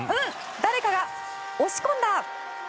誰かが押し込んだ！